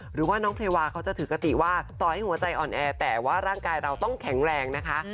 หรือว่าน้องแพรวาเขาจะถือกติว่าต่อให้หัวใจอ่อนแอแต่ว่าร่างกายเราต้องแข็งแรงนะคะ